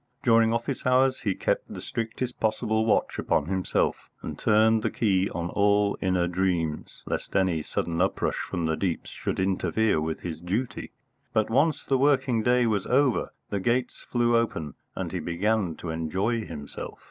During office hours he kept the strictest possible watch upon himself, and turned the key on all inner dreams, lest any sudden uprush from the deeps should interfere with his duty. But, once the working day was over, the gates flew open, and he began to enjoy himself.